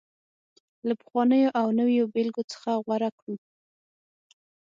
له پخوانيو او نویو بېلګو څخه غوره کړو